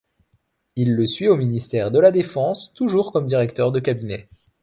Il le suit au ministère de la Défense, toujours comme directeur de cabinet.